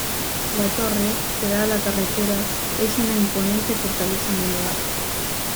La torre, que da a la carretera, es una imponente fortaleza medieval.